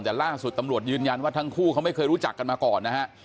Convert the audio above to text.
แต่ล่าสุดตำรวจยืนยันว่าทั้งคู่เขาไม่เคยรู้จักกันมาก่อนนะฮะ